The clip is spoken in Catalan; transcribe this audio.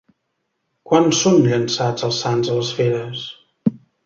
Quan són llançats els sants a les feres?